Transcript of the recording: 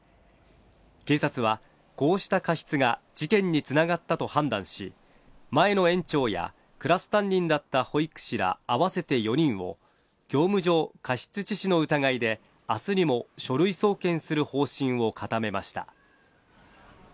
警察はこうした過失が事件につながったと判断し、前の園長やクラス担任だった保育士ら合わせて４人を業務上過失致死の疑いで、明日にも書類送検する方針を固めました。